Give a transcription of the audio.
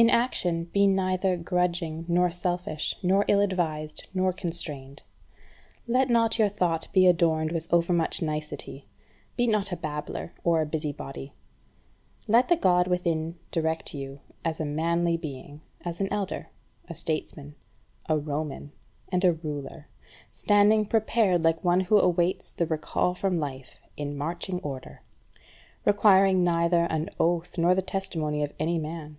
5. In action be neither grudging, nor selfish, nor ill advised, nor constrained. Let not your thought be adorned with overmuch nicety. Be not a babbler or a busybody. Let the God within direct you as a manly being, as an elder, a statesman, a Roman, and a ruler, standing prepared like one who awaits the recall from life, in marching order; requiring neither an oath nor the testimony of any man.